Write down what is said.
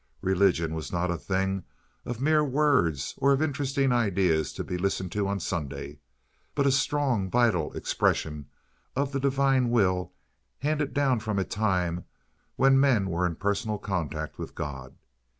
Religion was not a thing of mere words or of interesting ideas to be listened to on Sunday, but a strong, vital expression of the Divine Will handed down from a time when men were in personal contact with God.